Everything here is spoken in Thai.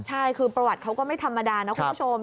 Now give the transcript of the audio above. ใช่คือประวัติเขาก็ไม่ธรรมดานะคุณผู้ชม